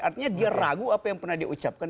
artinya dia ragu apa yang pernah dia ucapkan